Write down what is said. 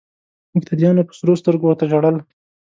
مقتدیانو په سرو سترګو ورته ژړل.